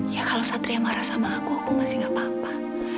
ya kalau satria marah sama aku aku masih gak apa apa